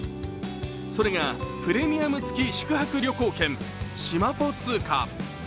それがプレミアム付宿泊旅行券しまぽ通貨。